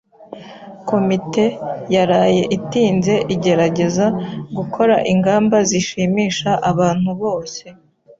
Komite yaraye itinze igerageza gukora ingamba zishimisha abantu bose.